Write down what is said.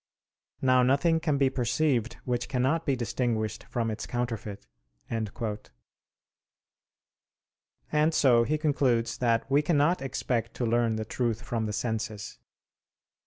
Now nothing can be perceived which cannot be distinguished from its counterfeit." And so he concludes that we cannot expect to learn the truth from the senses.